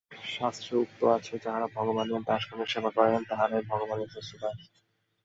শাস্ত্রে উক্ত হইয়াছে, যাঁহারা ভগবানের দাসগণের সেবা করেন, তাঁহারাই ভগবানের শ্রেষ্ঠ দাস।